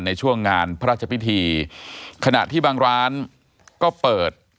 ในช่วงงานพระราชพิธีขณะที่บางร้านก็เปิด